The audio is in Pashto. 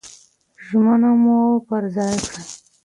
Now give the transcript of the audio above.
ژمني مو پر ځای کړئ.